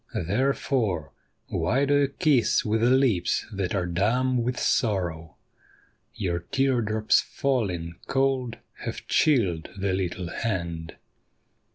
Therefore, why do you kiss with lips that are dumb with sorrow? Your tear drops falling cold have chilled the httle hand.